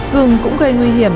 gừng cũng gây nguy hiểm